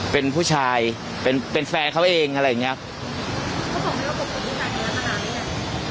เป็นผู้ชายเป็นแฟนเขาเองอะไรอย่างนี้ครับ